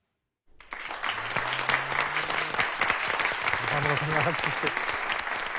仲村さんが拍手してる。